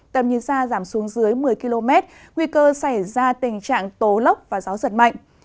tầm nhìn xa giảm xuống dưới một mươi km nguy cơ xảy ra tình trạng tố lốc và gió giật mạnh